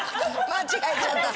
間違えちゃった。